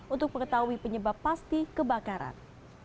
untuk mengetahui penyebab pasti kebakaran